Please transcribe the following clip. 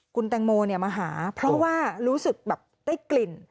คุณแตงโมมาหาเพราะว่ารู้สึกแบบได้กลิ่น